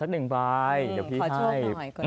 ๑ใบเดี๋ยวพี่ให้